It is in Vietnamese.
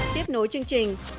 tiếp nối chương trình